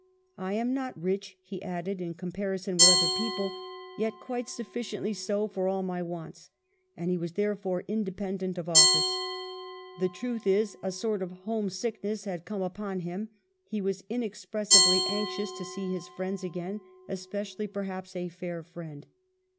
"I am not rich,'* he added, "in com parison with other people, yet quite sufficiently so for all my wants," and he was therefore independent of office. The truth is, a sort of home sickness had come upon him ; he was inexpressibly anxious to see his friends again, especially perhaps a fair friend.